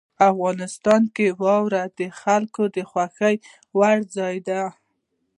افغانستان کې واوره د خلکو د خوښې وړ ځای دی.